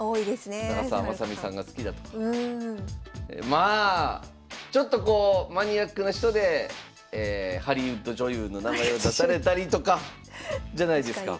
まあちょっとこうマニアックな人でハリウッド女優の名前を出されたりとかじゃないですか。